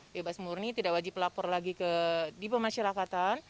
bebas murni tidak wajib lapor lagi di pemasyarakatan